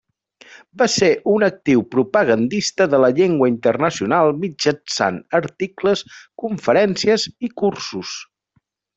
Va ser un actiu propagandista de la llengua internacional mitjançant articles, conferències i cursos.